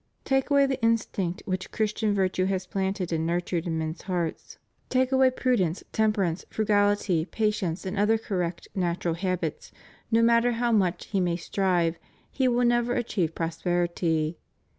Take away the instinct which Christian virtue has planted and nurtured in men's hearts, take 486 CHRISTIAN DEMOCRACY away prudence, temperance, frugality, patience, and other correct, natural habits, no matter how much he may strive, he will never achieve prosperity.